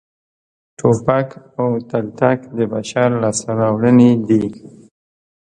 ټوپک او تلتک د بشر لاسته راوړنې دي